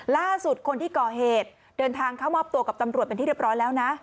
ล่าสุดคนที่ก่อเหตุเดินทางเข้ามอบตัวกับตำรวจเป็นที่เรียบร้อยแล้วนะ